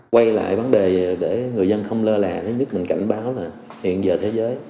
quay lại vấn đề để người dân không lo lạ nhất mình cảnh báo là hiện giờ thế giới